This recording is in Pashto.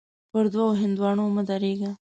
پر دوو هندوانو مه درېږه.